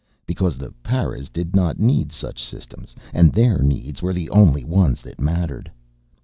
Because the paras did not need such systems and their needs were the only ones that mattered!